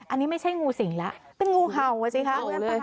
อันนี้ไม่ใช่งูสิงแล้วเป็นงูเห่าอ่ะสิคะ